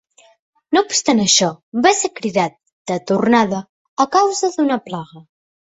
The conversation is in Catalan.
No obstant això, va ser cridat de tornada a causa d'una plaga.